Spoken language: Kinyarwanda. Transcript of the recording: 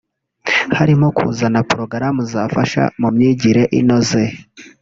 harimo kuzana porogaramu zafasha mu myigire inoze